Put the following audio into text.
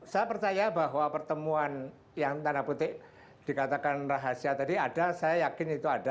saya percaya bahwa pertemuan yang tanda petik dikatakan rahasia tadi ada saya yakin itu ada